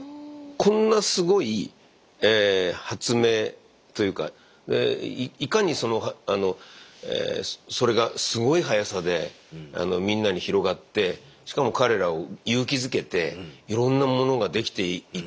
こんなすごい発明というかいかにそれがすごい速さでみんなに広がってしかも彼らを勇気づけていろんなものができていく